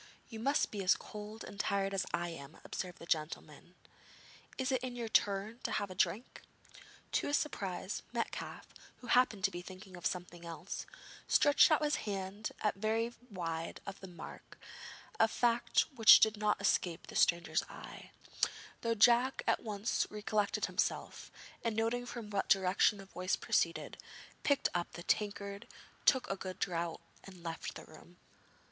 'You must be as cold and tired as I am,' observed the gentleman; 'it is your turn to have a drink.' To his surprise, Metcalfe, who happened to be thinking of something else, stretched out his hand at first very wide of the mark, a fact which did not escape the stranger's eye, though Jack at once recollected himself, and, noting from what direction the voice proceeded, picked up the tankard, took a good draught and left the room.